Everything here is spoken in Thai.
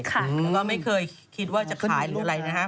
แล้วก็ไม่เคยคิดว่าจะขายหรืออะไรนะครับ